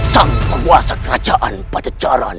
sang perwasa kerajaan pajajaran